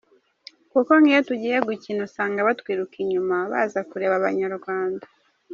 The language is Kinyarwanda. Kuko nkiyo tugiye gukina usanga batwirirwa inyuma, baza kureba Abanyarwanda.